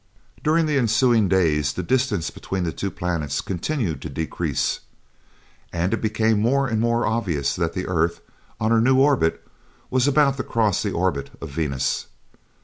During the ensuing days the distance between the two planets continued to decrease, and it became more and more obvious that the earth, on her new orbit, was about to cross the orbit of Venus.